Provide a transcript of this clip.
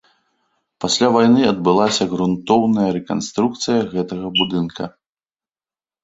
Пасля вайны адбылася грунтоўная рэканструкцыя гэтага будынка.